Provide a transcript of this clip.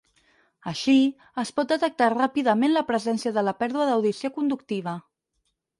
Així, es pot detectar ràpidament la presència de la pèrdua d'audició conductiva.